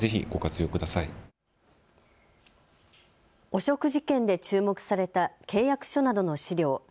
汚職事件で注目された契約書などの資料。